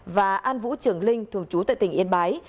và an vũ trưởng linh thường trú tại tỉnh yên bái